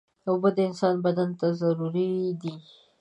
اوبه د انسان بدن ته ضروري دي.